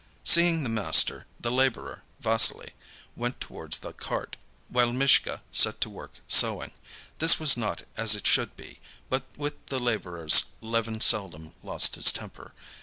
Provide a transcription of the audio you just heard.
Seeing the master, the laborer, Vassily, went towards the cart, while Mishka set to work sowing. This was not as it should be, but with the laborers Levin seldom lost his temper.